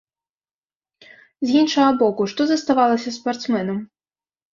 З іншага боку, што заставалася спартсменам?